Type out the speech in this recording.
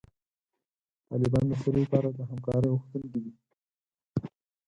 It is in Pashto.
طالبان د سولې لپاره د همکارۍ غوښتونکي دي.